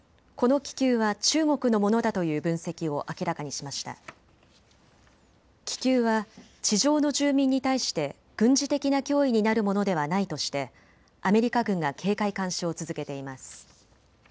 気球は地上の住民に対して軍事的な脅威になるものではないとしてアメリカ軍が警戒監視を続けています。